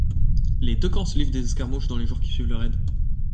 Les deux camps se livrent des escarmouches dans les jours qui suivent le raid.